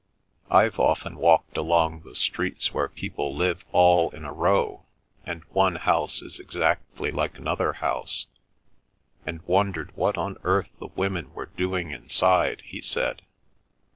"I've often walked along the streets where people live all in a row, and one house is exactly like another house, and wondered what on earth the women were doing inside," he said.